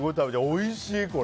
おいしい、これ。